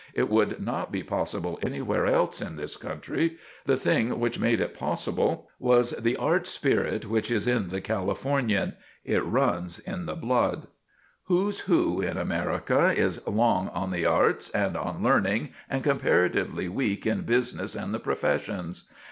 It would not be possible anywhere else in this country; the thing which made it possible was the art spirit which is in the Californian. It runs in the blood. "Who's Who in America" is long on the arts and on learning and comparatively weak in business and the professions.